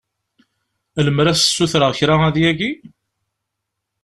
Lemmer ad s-ssutreɣ kra ad yagi?